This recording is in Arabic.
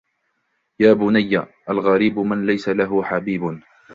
يَا بُنَيَّ الْغَرِيبُ مَنْ لَيْسَ لَهُ حَبِيبٌ